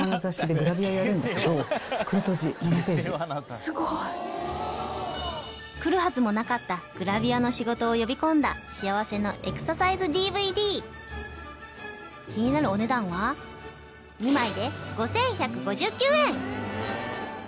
すごい！来るはずもなかったグラビアの仕事を呼び込んだ幸せのエクササイズＤＶＤ気になるお値段は？素晴らしい。